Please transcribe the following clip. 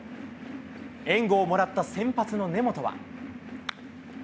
援護をもらった先発の根本は。